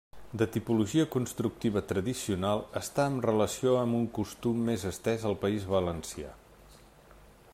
De tipologia constructiva tradicional està amb relació amb un costum més estès al País Valencià.